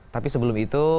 tapi sebelum itu